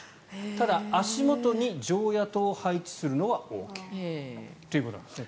ただ、足元に常夜灯を配置するのはＯＫということですね。